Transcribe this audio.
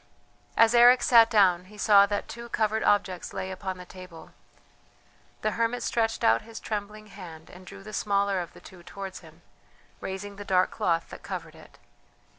As Eric sat down he saw that two covered objects lay upon the table. The hermit stretched out his trembling hand and drew the smaller of the two towards him, raising the dark cloth that covered it.